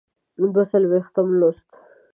دوه څلویښتم لوست.